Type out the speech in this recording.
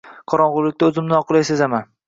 Qorongʻilikda oʻzimni noqulay sezaman.